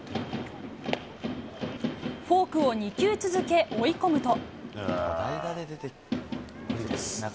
フォークを２球続け、追い込むと。